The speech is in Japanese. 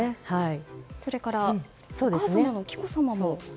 それから、お母様の紀子さまも。